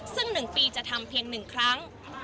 ซึ่ง๑ปีจะทำเพียง๑ครั้ง